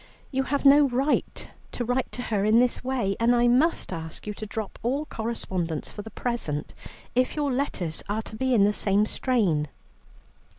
You have no right to write to her in this way, and I must ask you to drop all correspondence for the present if your letters are to be in the same strain."